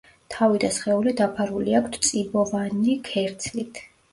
თავი და სხეული დაფარული აქვთ წიბოვანი ქერცლით.